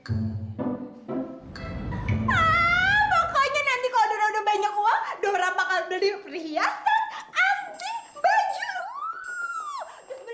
aah pokoknya nanti kalau dora udah banyak uang dora bakal beli perhiasan anti baju